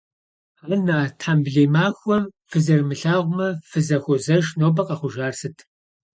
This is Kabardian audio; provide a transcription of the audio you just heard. Ан-на, тхьэмбылей махуэм фызэрымылъагъумэ, фызэхуозэш, нобэ къэхъужар сыт?